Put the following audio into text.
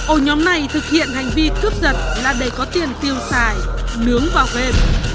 ôi nhóm này thực hiện hành vi cướp giật là để có tiền tiêu xài nướng và khuêm